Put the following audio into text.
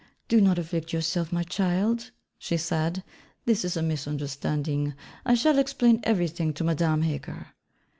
'Do not afflict yourself, my child,' she said. 'This is a misunderstanding: I shall explain everything to Madame Heger.'